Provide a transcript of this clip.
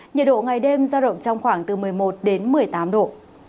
nhiệt độ ngày đêm do động trong khoảng từ một mươi một một mươi tám độ